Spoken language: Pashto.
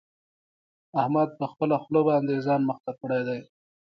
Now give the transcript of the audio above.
احمد په خپله خوله باندې ځان مخته کړی دی.